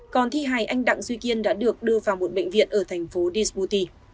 còn thi hài anh đặng duy kiên đã được đưa vào một bệnh viện ở thành phố desbouti